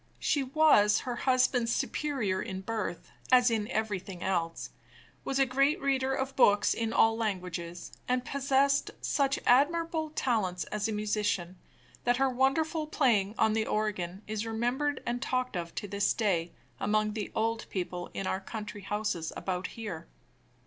She was her husband's superior in birth, as in everything else; was a great reader of books in all languages; and possessed such admirable talents as a musician, that her wonderful playing on the organ is remembered and talked of to this day among the old people in our country houses about here.